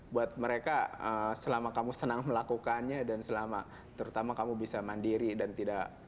buat mereka selama kamu senang melakukannya dan selama terutama kamu bisa mandiri dan tidak